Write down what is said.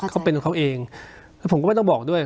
เขาเป็นเขาเองผมก็ไม่ต้องบอกด้วย